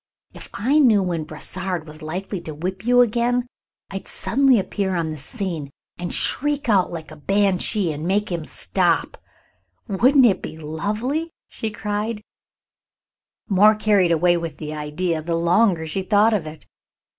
If I knew when Brossard was likely to whip you again, I'd suddenly appear on the scene and shriek out like a banshee and make him stop. Wouldn't it be lovely?" she cried, more carried away with the idea the longer she thought of it.